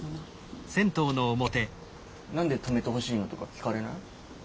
何で泊めてほしいのとか聞かれない？